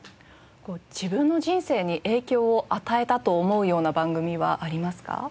自分の人生に影響を与えたと思うような番組はありますか？